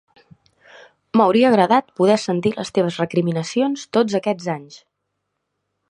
M'hauria agradat poder sentir les teves recriminacions tots aquests anys!